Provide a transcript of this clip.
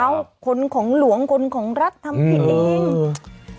เอ้าคนของหลวงคนของรักทำผิดนี่